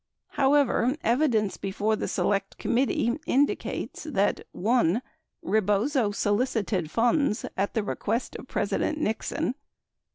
52 However, evidence before the Select Committee indicates that: 1. Rebozo solicited funds at the request of President Nixon.